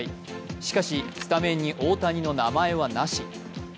しかし、スタメンに大谷の名前はなし。